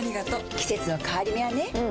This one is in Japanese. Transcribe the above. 季節の変わり目はねうん。